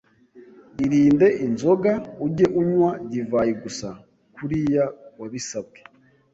Irinde inzoga, ujye unywa divayi gusa, kuriya wabisabwe